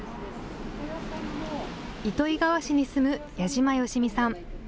糸魚川市に住む矢島好美さん。